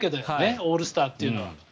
オールスターっていうのは。